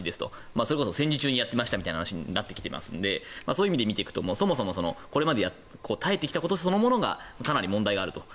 それこそ戦時中にやってましたという話になるのでそういう意味で見ていくとこれまで耐えてきたものそのものがかなり問題があると。